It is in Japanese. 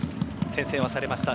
先制はされました。